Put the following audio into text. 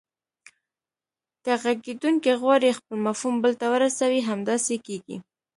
که غږیدونکی غواړي خپل مفهوم بل ته ورسوي همداسې کیږي